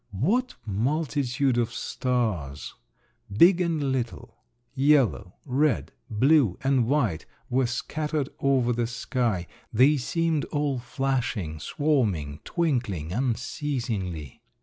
What multitudes of stars, big and little, yellow, red, blue and white were scattered over the sky! They seemed all flashing, swarming, twinkling unceasingly.